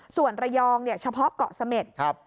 ส่วนระยองเนี่ยเฉพาะเกาะเสม็ดครับ